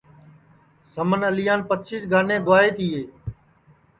سمن اعلیان پچیس گانیں گُوائے تیے